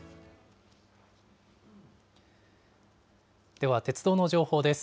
では鉄道の情報です。